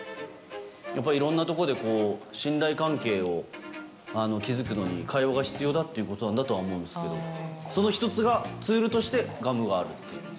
やっぱりいろんなところで信頼関係を築くのに、会話が必要だということなんだとは思うんですけど、その１つがツールとして、ガムがあるっていう。